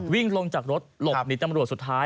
วิ่งลงจากรถหลบหนีตำรวจสุดท้าย